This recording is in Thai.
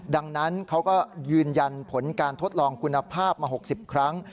ดังนั้นเขาก็ยืนยันผลการทดลองคุณภาพมา๖๐ครั้ง